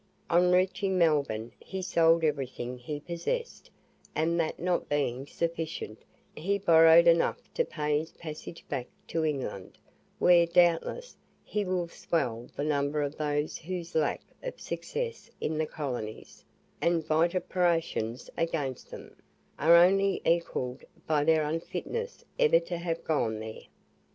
On reaching Melbourne, he sold everything he possessed, and that not being sufficient, he borrowed enough to pay his passage back to England, where, doubtless, he will swell the number of those whose lack of success in the colonies, and vituperations against them, are only equalled by their unfitness ever to have gone there.